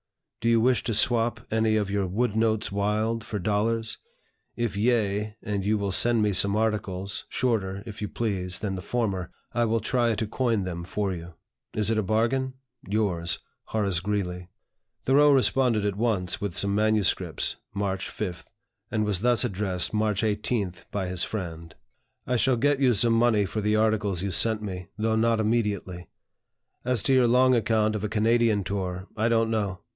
Do you wish to swap any of your 'wood notes wild' for dollars? If yea, and you will sell me some articles, shorter, if you please, than the former, I will try to coin them for you. Is it a bargain? Yours, "HORACE GREELEY." Thoreau responded at once with some manuscripts (March 5), and was thus addressed, March 18, by his friend: "I shall get you some money for the articles you sent me, though not immediately. As to your long account of a Canadian tour, I don't know.